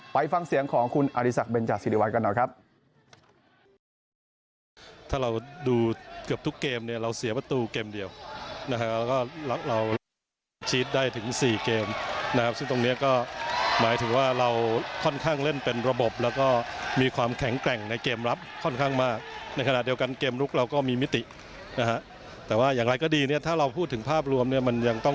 ไปฟังเสียงของคุณอริสักเบนจาศิริวัลกันหน่อยครับ